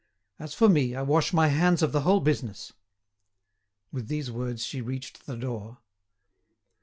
As for me, I wash my hands of the whole business." With these words she reached the door.